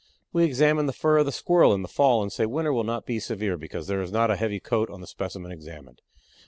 We examine the fur of the Squirrel in the fall and say winter will not be severe because there is not a heavy coat on the specimen examined.